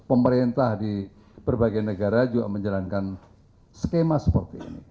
pemerintah di berbagai negara juga menjalankan skema seperti ini